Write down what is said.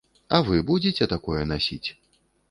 А вы будзеце такое насіць?